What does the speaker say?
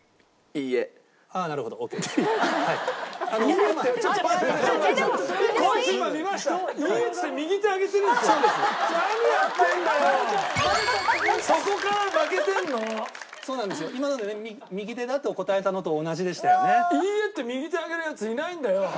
「いいえ」って右手上げるやついないんだよ！